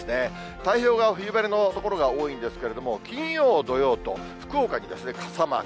太平洋側、冬晴れの所が多いんですけれども、金曜、土曜と福岡に傘マーク。